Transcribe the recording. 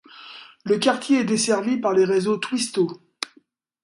Le quartier est desservi par les réseaux Twisto.